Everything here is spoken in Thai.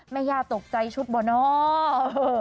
แม่ย่าตกใจชุดบ่นอก